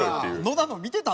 野田の見てた？